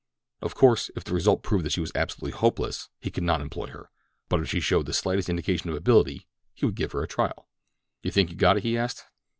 Of course, if the result proved that she was absolutely hopeless, he could not employ her; but if she showed the slightest indication of ability, he would give her a trial. "Do you think you got it?" he asked.